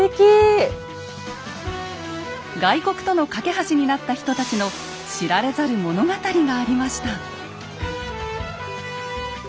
外国との懸け橋になった人たちの知られざる物語がありました。